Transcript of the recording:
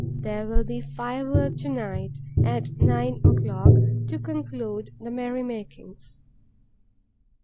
There will be fireworks to night, at nine o'clock, to conclude the merry makings.